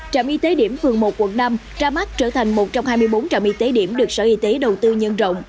trạm y tế điểm phường một quận năm ra mắt trở thành một trong hai mươi bốn trạm y tế điểm được sở y tế đầu tư nhân rộng